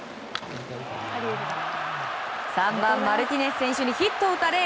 ３番、マルティネス選手にヒットを打たれ